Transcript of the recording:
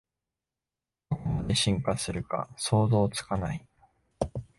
どこまで進化するか想像つかない